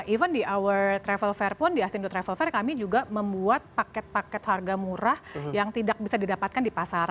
even di our travel fair pun di assindo travel fair kami juga membuat paket paket harga murah yang tidak bisa didapatkan di pasar